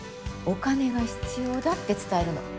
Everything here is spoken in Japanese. お金が必要だって伝えるの。